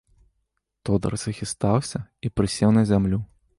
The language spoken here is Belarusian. Тодар захістаўся і прысеў на зямлю.